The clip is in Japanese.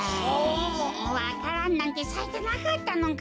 わか蘭なんてさいてなかったのか。